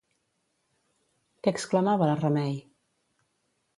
Què exclamava la Remei?